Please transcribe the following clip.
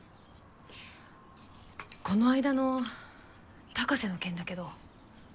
この間の高瀬の件だけど。